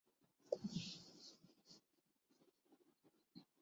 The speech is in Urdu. فیصل ابادمیںیوم پاکستان پر منی میراتھن کا انعقاد